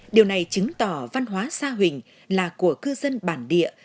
điều này chứng tỏ văn hóa sa huỳnh là của cư dân bản địa